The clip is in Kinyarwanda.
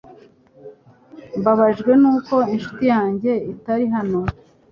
Mbabajwe nuko inshuti yanjye itari hano